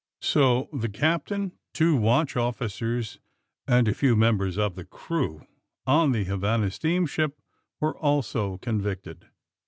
So the captain, two watch officers and a few members of the crew on the Havana steamship were also convicted.